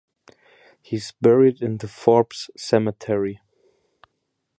He is buried in the Forbes Cemetery.